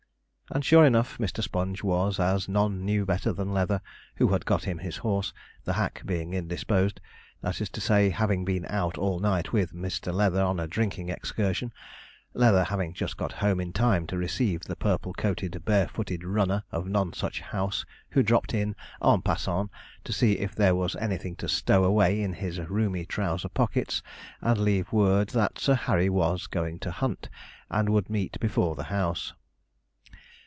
And sure enough, Mr. Sponge was, as none knew better than Leather, who had got him his horse, the hack being indisposed that is to say, having been out all night with Mr. Leather on a drinking excursion, Leather having just got home in time to receive the purple coated, bare footed runner of Nonsuch House, who dropped in, en passant, to see if there was anything to stow away in his roomy trouser pockets, and leave word that Sir Harry was going to hunt, and would meet before the house.